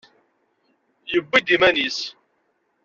Yewwi-d iman-is.